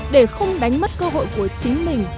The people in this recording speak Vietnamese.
để không đánh mất cơ hội của chính mình